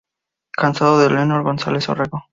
Casado con Leonor González Orrego.